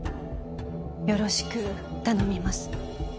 よろしく頼みます